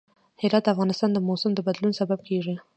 هرات د افغانستان د موسم د بدلون سبب کېږي.